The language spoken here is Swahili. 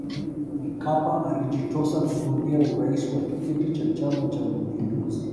Mkapa alijitosa kugombea urais kwa tiketi ya Chama Cha Mapinduzi